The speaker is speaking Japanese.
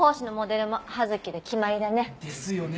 ですよね。